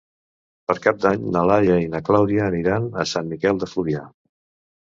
Per Cap d'Any na Laia i na Clàudia aniran a Sant Miquel de Fluvià.